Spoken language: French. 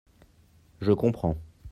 Je comprends.